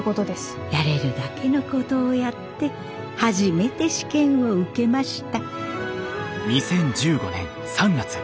やれるだけのことをやって初めて試験を受けました。